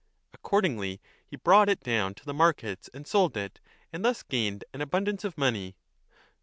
Accordingly he brought it down to the markets and sold it, and thus gained an abundance of money.